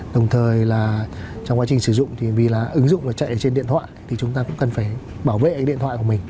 đồng thời trong quá trình sử dụng vì ứng dụng chạy trên điện thoại thì chúng ta cũng cần phải bảo vệ điện thoại của mình